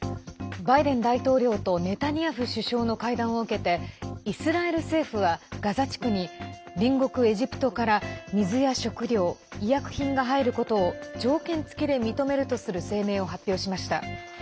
バイデン大統領とネタニヤフ首相の会談を受けてイスラエル政府はガザ地区に、隣国エジプトから水や食料、医薬品が入ることを条件付きで認めるとする声明を発表しました。